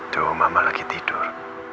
tuh mama lagi tidur